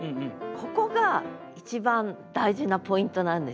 ここが一番大事なポイントなんですよ。